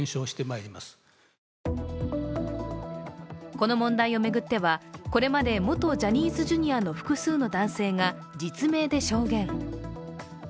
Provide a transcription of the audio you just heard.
この問題を巡っては、これまで元ジャニーズＪｒ．の複数の男性が実名で証言。